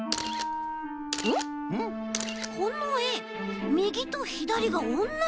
このえみぎとひだりがおんなじだ！